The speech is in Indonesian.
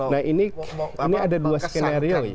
nah ini ada dua skenario